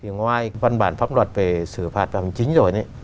ngoài văn bản pháp luật về xử phạt bằng chính rồi